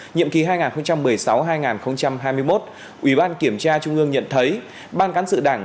nhiệm kỳ hai nghìn một mươi sáu hai nghìn hai mươi một ủy ban kiểm tra trung ương nhận thấy ban cán sự đảng